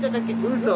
うそ！